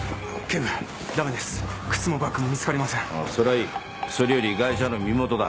それよりガイシャの身元だ。